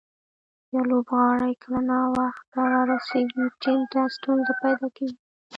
یو لوبغاړی کله ناوخته راورسېږي، ټیم ته ستونزه پېدا کیږي.